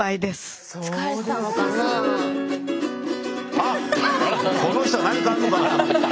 あっこの人は何かあるのかな。